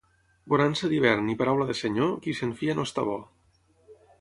Bonança d'hivern i paraula de senyor, qui se'n fia no està bo.